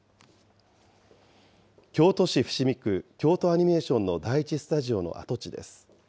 京都市伏見区、京都アニメーションの第１スタジオの跡地です。